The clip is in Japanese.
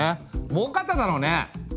もうかっただろうね！